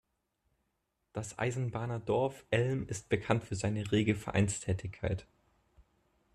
Das „Eisenbahner-Dorf“ Elm ist bekannt für seine rege Vereinstätigkeit.